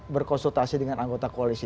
berkonsultasi dengan anggota koalisi